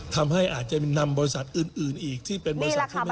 ทำให้อาจจะนำบริษัทอื่นอีกที่เป็นบริษัทที่มา